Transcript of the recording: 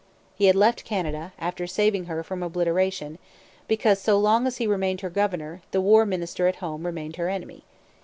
He had left Canada, after saving her from obliteration, because, so long as he remained her governor, the war minister at home remained her enemy.